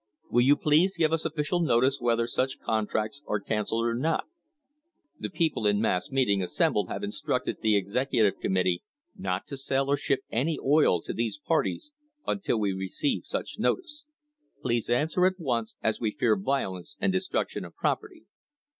Will you please give us official notice whether such contracts are cancelled or not t The people in mass meeting assembled have instructed the executive committee not to sell or ship any oil to these parties until we receive such notice. Please answer at once, as we fear violence and destruction of property.